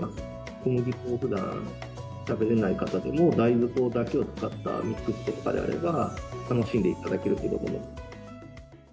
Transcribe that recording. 小麦粉をふだん、食べれない方でも大豆粉だけを使ったミックス粉であれば、楽しんでいただけると。